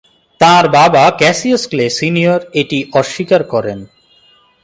তাঁর বাবা Cassius Clay Senior এটি অস্বীকার করেন।